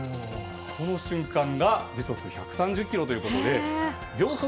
この瞬間が時速１３０キロということで秒速